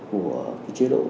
của cái chế độ